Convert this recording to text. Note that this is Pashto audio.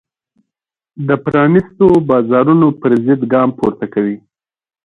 د پرانیستو بازارونو پرضد ګام پورته کوي.